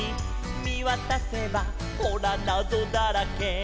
「みわたせばほらなぞだらけ」